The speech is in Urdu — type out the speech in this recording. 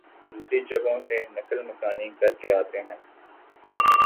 دوسری جگہوں سے نقل مکانی کرکے آتے ہیں